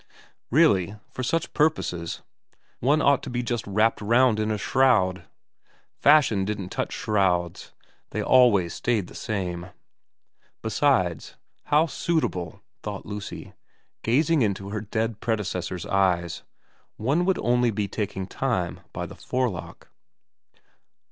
Really for such purposes one ought to be j ust wrapped round in a shroud. Fashion didn't touch shrouds ; they always stayed the same. Besides, how suitable, thought Lucy, gazing into her dead predecessor's eyes ; one would only be taking time by the forelock.